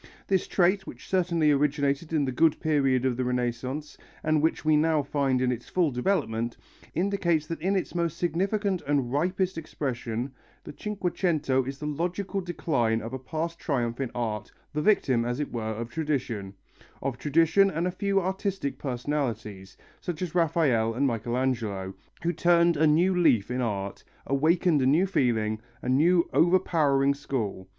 This trait, which certainly originated in the good period of the Renaissance and which we now find in its full development, indicates that in its more significant and ripest expression the Cinquecento is the logical decline of a past triumph in art, the victim, as it were, of tradition of tradition and a few artistic personalities, such as Raphael and Michelangelo, who turned a new leaf in art, awakened a new feeling, a new overpowering school.